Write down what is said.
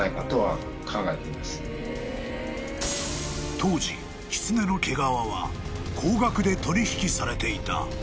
［当時キツネの毛皮は高額で取引されていた］